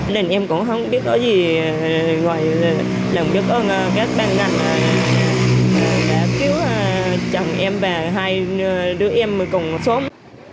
nên em cũng không biết có gì gọi là lòng giúp ơn các bạn nạn đã cứu chồng em và hai đứa em cùng sống